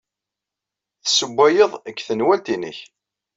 Tessewwayeḍ deg tenwalt-nnek.